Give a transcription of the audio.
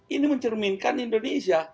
ini mencerminkan indonesia